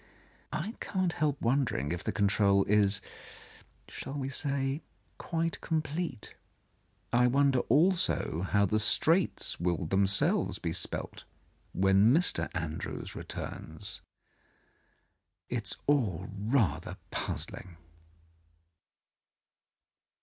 I cannot help won dering if the control is — shall we say ?— qui'te com plete. I wonder also how the straits will get them selves spelt when Mr. Andrews returns. It is all rather puzzling.